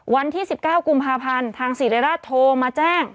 วันที่๑๙กุมภาพันธ์ทางศิริราชโทรมาแจ้ง